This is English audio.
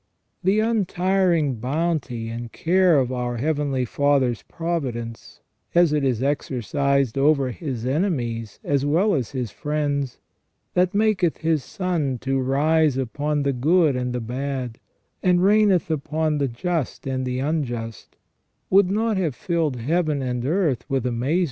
The untiring bounty and care of our Heavenly Father's providence, as it is exercised over His enemies as well as His friends, that "maketh His sun to rise upon the good and the bad, and raineth upon the just and the unjust," would not have filled Heaven and earth with amaze * S.